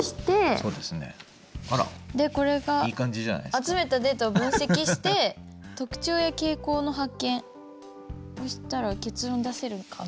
集めたデータを分析して特徴や傾向の発見をしたら結論出せるかな。